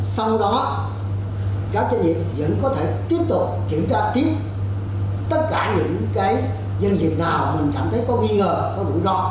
sau đó các doanh nghiệp vẫn có thể tiếp tục kiểm tra tiếp tất cả những doanh nghiệp nào mình cảm thấy có nghi ngờ có rủi ro